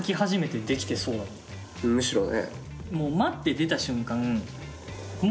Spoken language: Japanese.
むしろね。